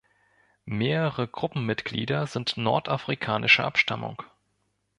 Mehrere Gruppenmitglieder sind nordafrikanischer Abstammung.